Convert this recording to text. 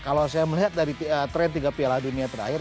kalau saya melihat dari tren tiga piala dunia terakhir